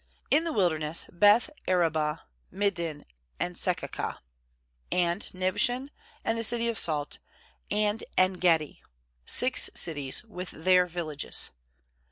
61In the wilderness: Beth arabah, Middin, and Secacah, 62and Nibshan, and ;the City of t Salt, and En gedi; six cities with their villages.